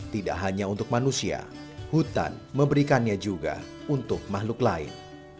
tidak hanya untuk manusia hutan memberikannya juga untuk makhluk lain